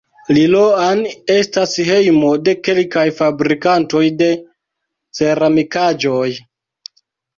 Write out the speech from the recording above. Liloan estas hejmo de kelkaj fabrikantoj de ceramikaĵoj.